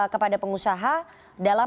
kepada pengusaha dalam